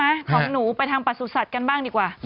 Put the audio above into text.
ของหนูไปทางประสุทธิ์กันบ้างดีกว่า